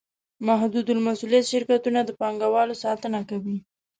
محدودالمسوولیت شرکتونه د پانګوالو ساتنه کوي.